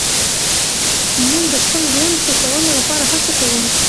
موږ د خپل ژوند ښه کولو لپاره هڅه کوو.